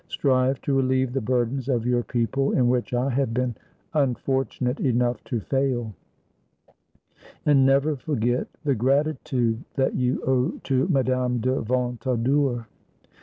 Strive to relieve the burdens of your people, in which I have been unfortunate enough to fail ; and never forget the gratitude that you owe to Madame de Ventadour."